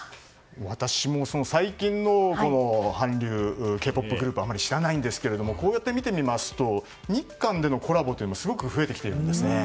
私も、最近の韓流Ｋ‐ＰＯＰグループはあまり知らないんですけどこうやって見てみますと日韓でのコラボというのはすごく増えてきているんですね。